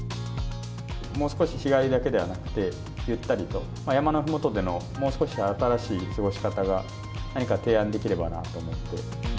もう少し日帰りだけではなくて、ゆったりと、山のふもとでの、もう少し新しい過ごし方が、何か提案できればなと思って。